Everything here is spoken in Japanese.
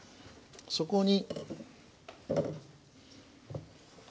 そこに。